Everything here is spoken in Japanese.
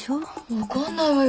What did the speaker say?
分かんないわよ